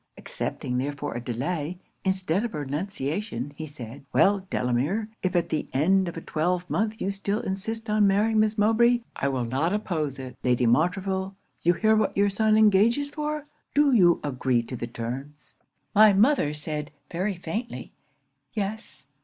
Accepting therefore a delay, instead of a renunciation, he said "Well, Delamere, if at the end of a twelvemonth you still insist on marrying Miss Mowbray, I will not oppose it. Lady Montreville, you hear what your son engages for; do you agree to the terms?" 'My mother said, very faintly "Yes."